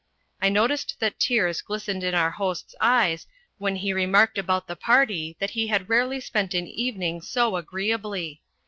I noticed that tears glistened in our host's eyes when he remarked about the party that he had rarely spent an evening so agree ably.